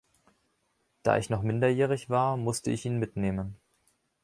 Da ich noch minderjährig war, musste ich ihn mitnehmen.